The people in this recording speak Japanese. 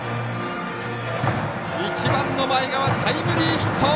１番の前川、タイムリーヒット。